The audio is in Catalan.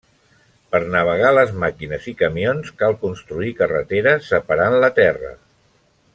Per navegar les màquines i camions cal construir carreteres, separant la terra.